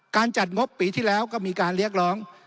การจัดงบปีที่แล้วก็มีการเรียกร้อง